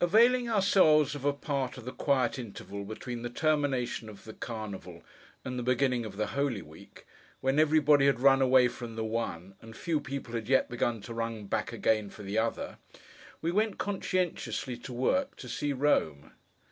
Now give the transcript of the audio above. Availing ourselves of a part of the quiet interval between the termination of the Carnival and the beginning of the Holy Week: when everybody had run away from the one, and few people had yet begun to run back again for the other: we went conscientiously to work, to see Rome.